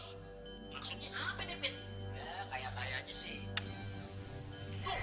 maksudnya apa nih fit